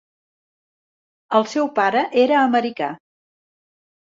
El seu pare era americà.